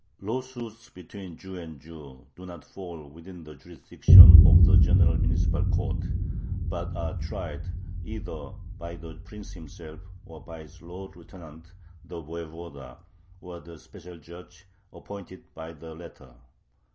Lawsuits between Jew and Jew do not fall within the jurisdiction of the general municipal courts, but are tried either by the prince himself or by his lord lieutenant, the voyevoda, or the special judge appointed by the latter (§8).